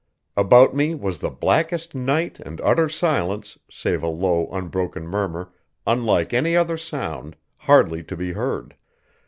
About me was blackest night and utter silence, save a low, unbroken murmur, unlike any other sound, hardly to be heard.